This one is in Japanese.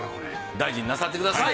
大事になさってください。